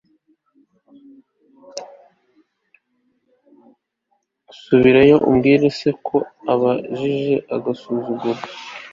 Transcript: subirayo ubwire so ko akabije agasuzuguro